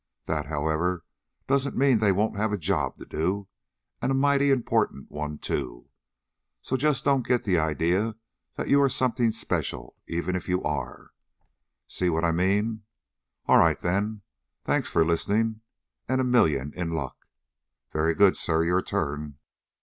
That, however, doesn't mean they won't have a job to do, and a mighty important one, too. So just don't get the idea that you are something special even if you are. See what I mean? All right, then. Thanks for listening, and a million in luck. Very good, sir. Your turn."